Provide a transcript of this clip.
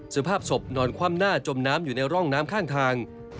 สภาพศพนอนคว่ำหน้าจมน้ำอยู่ในร่องน้ำข้างทาง